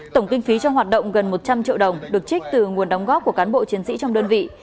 tổng kinh phí trong hoạt động gần một trăm linh triệu đồng được trích từ nguồn đóng góp của cán bộ chiến sĩ trong đơn vị